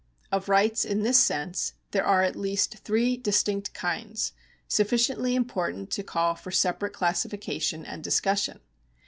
Of rights in this sense there are at least three distinct kinds, sufficiently important to call for separate classification and discussion.